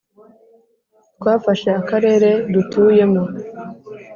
twafasha Akarere dutuyemo.